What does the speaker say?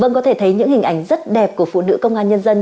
vâng có thể thấy những hình ảnh rất đẹp của phụ nữ công an nhân dân